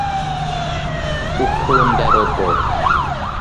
ukunda robo